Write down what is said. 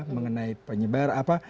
mengenai penyebar apa